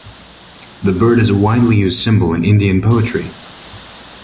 The bird is a widely used symbol in Indian poetry.